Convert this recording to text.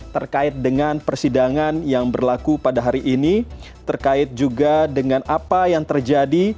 terkait dengan persidangan yang berlaku pada hari ini terkait juga dengan apa yang terjadi